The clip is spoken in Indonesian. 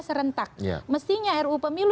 serentak mestinya ru pemilu